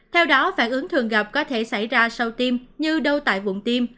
theo đó phản ứng thường gặp có thể xảy ra sau tiêm như đau tại vùng tiêm